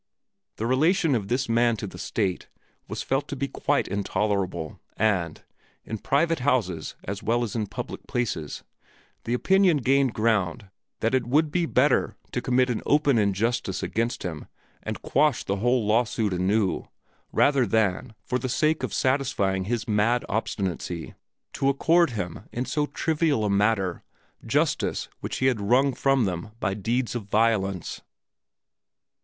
The relation of this man to the state was felt to be quite intolerable and, in private houses as well as in public places, the opinion gained ground that it would be better to commit an open injustice against him and quash the whole lawsuit anew, rather than, for the mere sake of satisfying his mad obstinacy, to accord him in so trivial a matter justice which he had wrung from them by deeds of violence.